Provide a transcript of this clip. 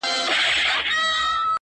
د آس څخه د لوېدو له امله